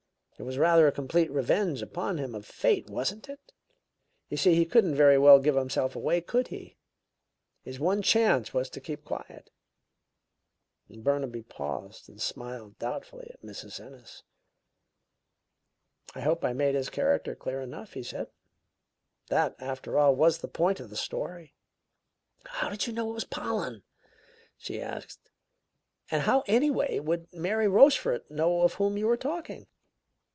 It was rather a complete revenge upon him of fate, wasn't it? You see, he couldn't very well give himself away, could he? His one chance was to keep quiet." Burnaby paused and smiled doubtfully at Mrs. Ennis. "I hope I made his character clear enough," he said. "That, after all, was the point of the story." "How did you know it was this Pollen?" she asked, "and how, anyway, would Mary Rochefort know of whom you were talking?"